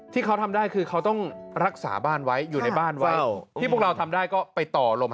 ที่เขาทำได้คือเขาต้องรักษาบ้านไว้อยู่ในบ้านไว้